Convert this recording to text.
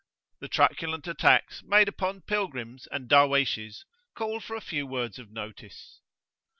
The truculent attacks made upon pilgrims and Darwayshes call for a few words of notice.